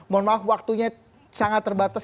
mohon maaf waktunya sangat terbatas